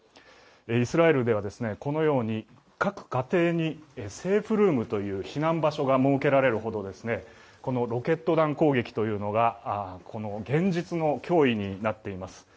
イスラエルではこのように各家庭にセーフルームという避難場所が設けられるほどロケット弾攻撃というのが現実の脅威になっています。